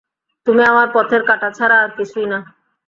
তুমি আমার পথের কাঁটা ছাড়া আর কিছুই না!